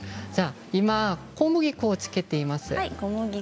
今、小麦粉をつけています。